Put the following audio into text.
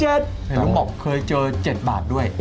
เห็นลุงบอกเคยเจอ๗บาทด้วย